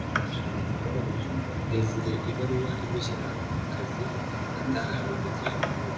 Desire ibaruwa imushyira mu kazi atahawe mu gihe